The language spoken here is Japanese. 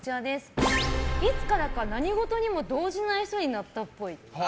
いつからか何事にも動じない人になったっポイ。